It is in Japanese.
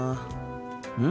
うん？